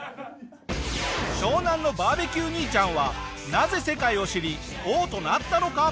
湘南のバーベキュー兄ちゃんはなぜ世界を知り王となったのか？